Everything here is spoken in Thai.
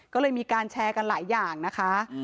ก็เลยมีการแชร์กันหลายอย่างนะคะ